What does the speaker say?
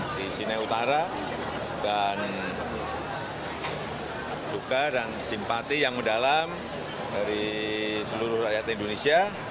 di sini utara dan duka dan simpati yang mendalam dari seluruh rakyat indonesia